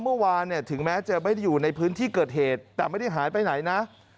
เมื่อวานเนี่ยถึงแม้จะไม่ได้อยู่ในพื้นที่เกิดเหตุแต่ไม่ได้หายไปไหนนะ